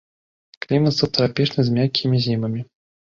Клімат субтрапічны з мяккімі зімамі.